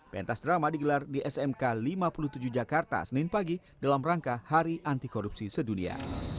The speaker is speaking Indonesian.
pentas drama digelar di smk lima puluh tujuh jakarta senin pagi dalam rangka hari anti korupsi sedunia